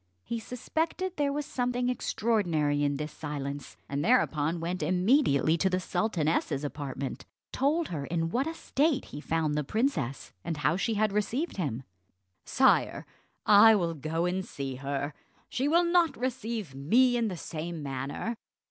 He suspected there was something extraordinary in this silence, and thereupon went immediately to the sultaness's apartment, told her in what a state he found the princess, and how she had received him. "Sire," said the sultaness, "I will go and see her; she will not receive me in the same manner."